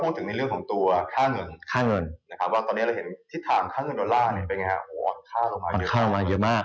พูดถึงค่าเงินดอลลาร์